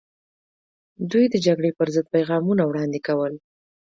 دوی د جګړې پر ضد پیغامونه وړاندې کول.